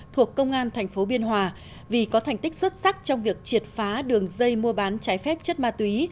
thuộc công an thành phố biên hòa vì có thành tích xuất sắc trong việc triệt phá đường dây mua bán trái phép chất ma túy